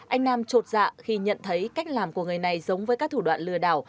anh nam trột dạ khi nhận thấy cách làm của người này giống với các thủ đoạn lừa đảo